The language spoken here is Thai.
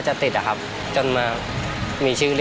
นอกจากนักเตะรุ่นใหม่จะเข้ามาเป็นตัวขับเคลื่อนทีมชาติไทยชุดนี้แล้ว